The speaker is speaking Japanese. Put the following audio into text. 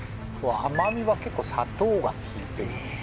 甘みは結構砂糖が効いてるよね